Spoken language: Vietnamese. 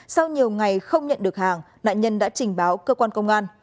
sau nhiều ngày không nhận được hàng nạn nhân đã trình báo cơ quan công an